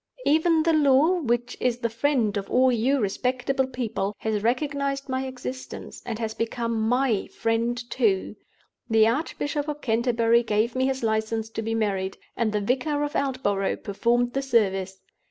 Even the law, which is the friend of all you respectable people, has recognized my existence, and has become my friend too! The Archbishop of Canterbury gave me his license to be married, and the vicar of Aldborough performed the service.